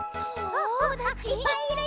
いっぱいいる！